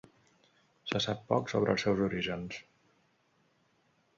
Se sap poc sobre els seus orígens.